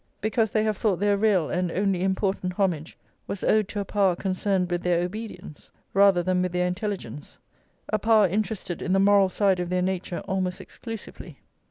Because they have thought their real and only important homage was owed to a power concerned with their obedience rather than with their intelligence, a power interested in the moral side of their nature almost exclusively.